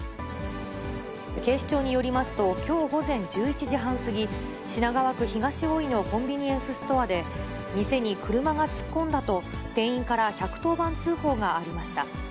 警視庁によりますと、きょう午前１１時半過ぎ、品川区東大井のコンビニエンスストアで、店に車が突っ込んだと、店員から１１０番通報がありました。